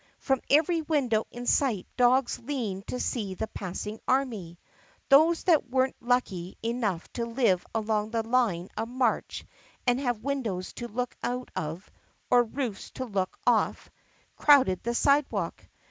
From every window in sight dogs leaned to see the passing army. Those that were n't lucky enough to live along the line of march and have windows to look out of (or roofs to look off) crowded the sidewalk.